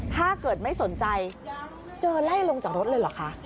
ถ้าเกิดไม่สนใจเจอไล่ลงจากรถเลยเหรอคะ